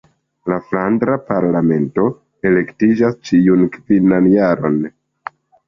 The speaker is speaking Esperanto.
La Flandra Parlamento elektiĝas ĉiun kvinan jaron.